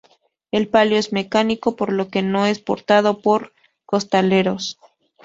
El palio es mecánico, por lo que no es portado por costaleros.